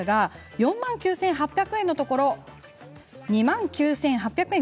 ４万９８００円のところ２万９８００円。